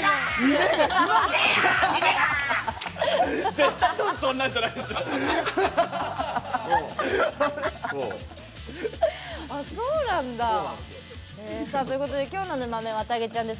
絶対、当時そんなんじゃないでしょ。ということで今日のぬまメンはわたげちゃんです。